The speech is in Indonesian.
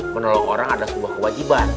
menolong orang adalah sebuah kewajiban